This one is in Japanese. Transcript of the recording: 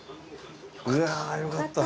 うわあよかった！